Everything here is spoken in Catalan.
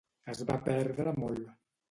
Es va perdre molt